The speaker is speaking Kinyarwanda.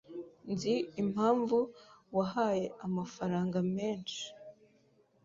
Nzi impamvu wahaye amafaranga menshi.